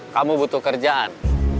kamu butuh kerjaan